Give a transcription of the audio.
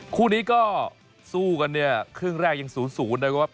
คู่นี้ก็สู้กันเนี่ยครึ่งแรกยัง๐๐นะครับ